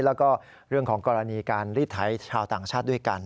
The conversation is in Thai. แล้วก็เรื่องของกรณีการรีดไถชาวต่างชาติด้วยกัน